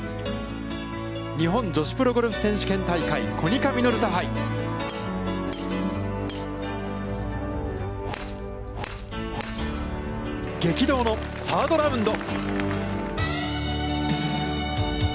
日本女子プロゴルフ選手権大会コニカミノルタ杯、激動のサードラウンド。